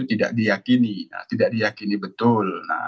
tidak diyakini tidak diyakini betul